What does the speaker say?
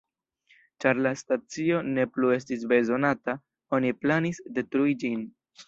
Ĉar la stacio ne plu estis bezonata, oni planis, detrui ĝin.